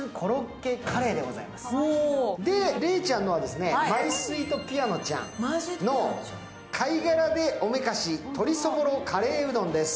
礼ちゃんのは、マイスウィートピアノちゃんの貝がらでおめかし鶏そぼろカレーうどんです。